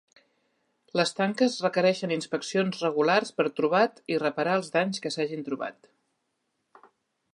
Les tanques requereixen inspeccions regulars per trobat i reparar els danys que s'hagin trobat.